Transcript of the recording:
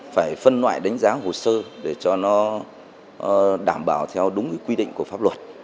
phải phân loại đánh giá hồ sơ để cho nó đảm bảo theo đúng quy định của pháp luật